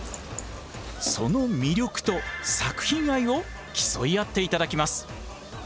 その魅力と作品愛を競い合って頂きます。